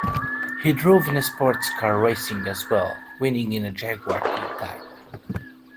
He drove in sports car racing as well, winning in a Jaguar D-Type.